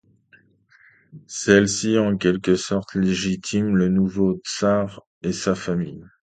Celle-ci, en quelque sorte, légitime le nouveau tsar et sa famille.